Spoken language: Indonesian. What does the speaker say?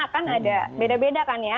kan ada beda beda kan ya